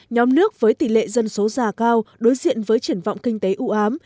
nhóm nước với tỷ lệ dân số già cao đối diện với triển vọng kinh tế ưu ám